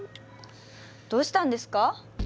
どうしたんですか？